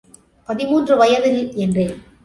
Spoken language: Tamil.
பதிமூன்று வயதில் என்றேன்.